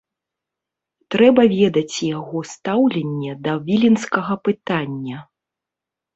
Трэба ведаць і яго стаўленне да віленскага пытання.